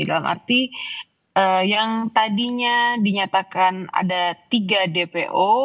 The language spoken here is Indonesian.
dalam arti yang tadinya dinyatakan ada tiga dpo